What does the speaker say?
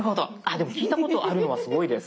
でも聞いたことあるのはすごいです。